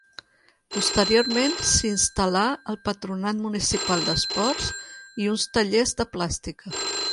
Posteriorment s'hi instal·là el Patronat Municipal d'Esports i uns tallers de plàstica.